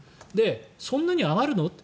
そんなに上がるの？と。